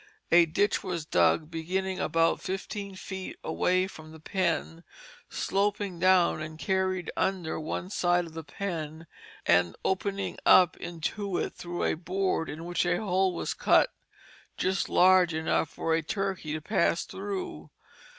A ditch was dug beginning about fifteen feet away from the pen; sloping down and carried under one side of the pen and opening up into it through a board in which a hole was cut just large enough for a turkey to pass through.